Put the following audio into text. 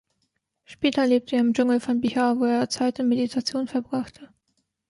Später lebte er im Dschungel von Bihar, wo er Zeit in Meditation verbrachte.